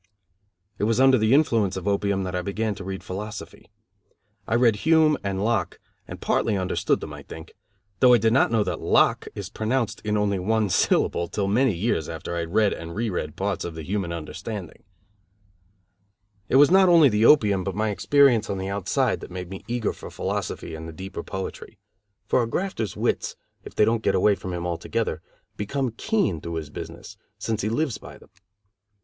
It was under the influence of opium that I began to read philosophy. I read Hume and Locke, and partly understood them, I think, though I did not know that Locke is pronounced in only one syllable till many years after I had read and re read parts of The Human Understanding. It was not only the opium, but my experience on the outside, that made me eager for philosophy and the deeper poetry; for a grafters wits, if they don't get away from him altogether, become keen through his business, since he lives by them.